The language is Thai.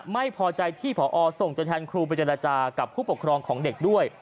ไม่พอใจที่ผอส่งตัวแทนครูไปเจรจากับผู้ปกครองของเด็กด้วย